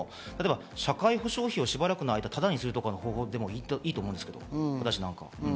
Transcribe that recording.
社会保障費をしばらくの間、タダにするとかでもいいと思うんです。